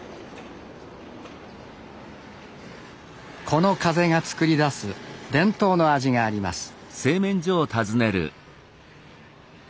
この風が作り出す伝統の味があります。